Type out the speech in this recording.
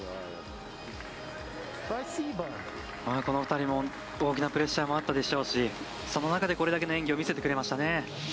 この２人も大きなプレッシャーもあったでしょうしその中で、これだけの演技を見せてくれましたね。